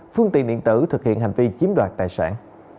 phương tiện điện tử thực hiện hành vi chiếm đoạt tài sản